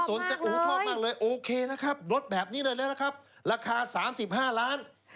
โอ้โฮชอบมากเลยโอเคนะครับรถแบบนี้เลยนะครับราคา๓๕ล้าน